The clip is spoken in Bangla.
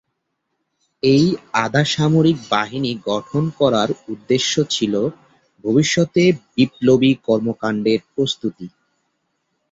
ঐ আধা-সামরিক বাহিনী গঠন করার উদ্দেশ্য ছিলো ভবিষ্যতে বিপ্লবী কর্মকাণ্ডের প্রস্তুতি।